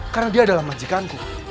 karena dia adalah majikanku